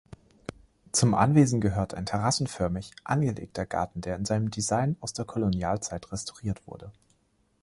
Zum Anwesen gehört ein terrassenförmig angelegter Garten, der in seinem Design aus der Kolonialzeit restauriert wurde.